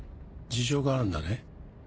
「事情があるんだね」。